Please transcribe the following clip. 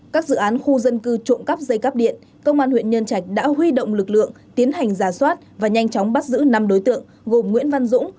các dự án khu dân cư trộm cắp dây cắp điện công an huyện nhân trạch đã huy động lực lượng tiến hành giả soát và nhanh chóng bắt giữ năm đối tượng gồm nguyễn văn dũng